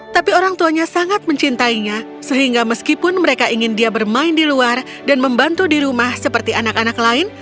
tapi orang tuanya sangat mencintainya sehingga meskipun mereka ingin dia bermain di luar dan membantu di rumah seperti anak anak lain